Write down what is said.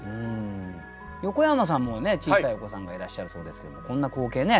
横山さんも小さいお子さんがいらっしゃるそうですけどもこんな光景ね